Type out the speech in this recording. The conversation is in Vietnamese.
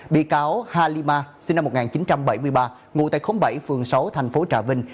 bị cáo halima sinh năm một nghìn chín trăm bảy mươi ba ngụ tại khống bảy phường sáu thành phố trà vinh